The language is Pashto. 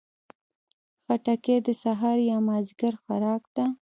خټکی د سهار یا مازدیګر خوراک ده.